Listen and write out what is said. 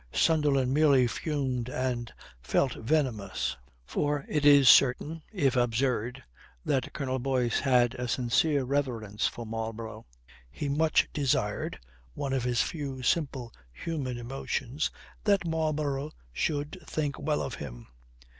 Sunderland merely fumed and felt venomous. For it is certain (if absurd) that Colonel Boyce had a sincere reverence for Marlborough. He much desired (one of his few simple human emotions) that Marlborough should think well of him.